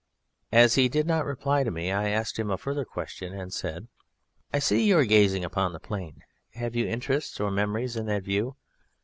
As he did not reply to me, I asked him a further question, and said: "I see you are gazing upon the plain. Have you interests or memories in that view?